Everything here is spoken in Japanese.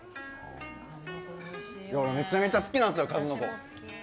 めちゃめちゃ好きなんですよ、数の子。